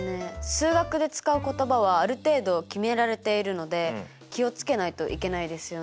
数学で使う言葉はある程度決められているので気を付けないといけないですよね。